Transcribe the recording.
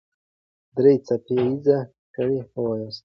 درې څپه ايزه ګړې وواياست.